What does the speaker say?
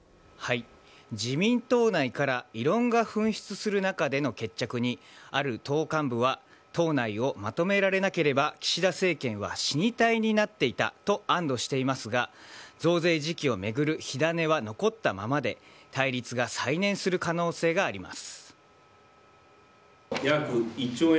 自民党内から異論が噴出する中での決着にある党幹部は党内をまとめられなければ岸田政権は死に体になっていたと安堵していますが増税時期を巡る火種は残ったままで対立が再燃する可能性があります。